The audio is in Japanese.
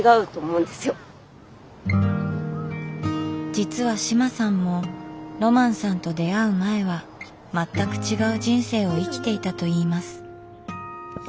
実は志麻さんもロマンさんと出会う前は全く違う人生を生きていたといいます。